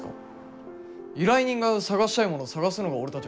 依頼人が探したいものを探すのが俺たちの仕事ですよね。